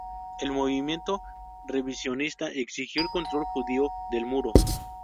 El movimiento revisionista exigió el control judío del muro.